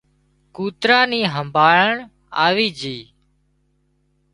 ڪوترا نين همزيڻ آوي جھئي